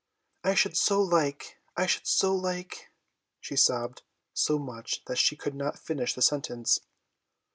"I should so like I should so like " she sobbed so much that she could not finish the sentence.